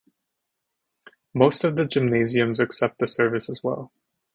Most of the gymnasiums accept the service as well.